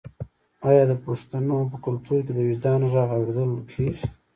آیا د پښتنو په کلتور کې د وجدان غږ نه اوریدل کیږي؟